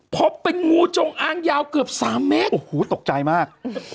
พบเป็นงูจงอ้างยาวเกือบ๓เมตรโอ้โหตกใจมาก